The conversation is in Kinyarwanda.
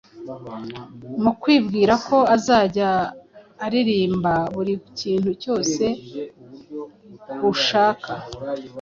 mu kwibwira ko azajya aririmba buri kintu cyose bushaka,